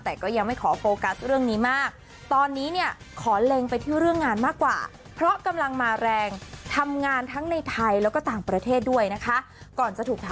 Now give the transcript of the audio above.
พี่ป้องแต่งงานไหมพี่ป้องจะว่ายังไงไปฟังจ้ะ